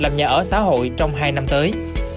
làm nhà ở xã hội trong hai năm tới